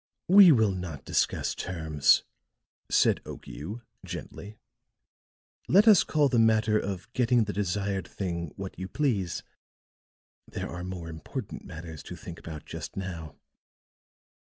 "We will not discuss terms," said Okiu gently. "Let us call the matter of getting the desired thing what you please; there are more important matters to think about just now."